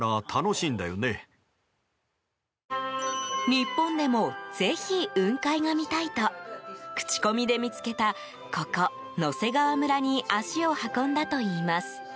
日本でもぜひ、雲海が見たいと口コミで見つけたここ、野迫川村に足を運んだといいます。